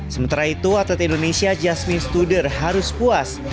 sementara itu atlet indonesia jasmine studer harus puas